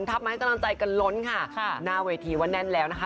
ทำให้กำลังใจกันล้นค่ะหน้าเวทีว่าแน่นแล้วนะคะ